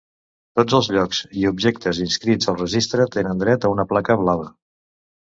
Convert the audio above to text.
Tots els llocs i objectes inscrits al registre tenen dret a una placa Blava.